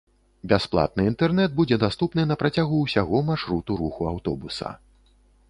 Бясплатны інтэрнэт будзе даступны на працягу ўсяго маршруту руху аўтобуса.